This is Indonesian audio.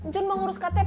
jun mau ngurus ktp